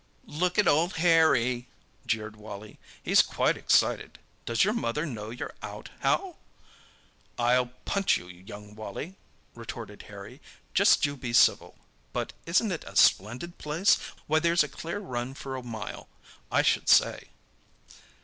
"Look at old Harry!" jeered Wally. "He's quite excited. Does your mother know you're out, Hal?" "I'll punch you, young Wally," retorted Harry. "Just you be civil. But isn't it a splendid place? Why, there's a clear run for a mile, I should say."